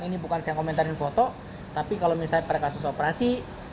ini bukan saya komentarin foto tapi kalau misalnya pada kasus operasi